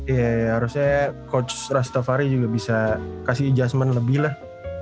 iya harusnya coach rastafari juga bisa kasih adjustment lebih lah